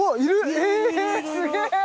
えすげぇ！